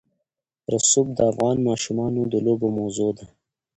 رسوب د افغان ماشومانو د لوبو موضوع ده.